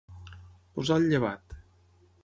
Posar el llevat.